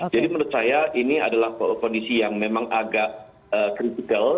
jadi menurut saya ini adalah kondisi yang memang agak kritikal